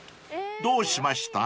［どうしました？］